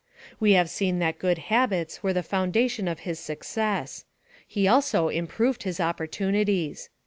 We have seen that good habits were the foundation of his success. He also improved his opportunities.